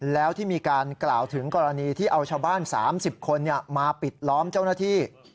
แล้วที่มีการกล่าวถึงกรณีที่เอาชาวบ้าน๓๐คนมาปิดล้อมเจ้าหน้าที่